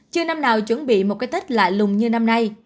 chưa năm nào chuẩn bị một cái tết lạ lùng như năm nay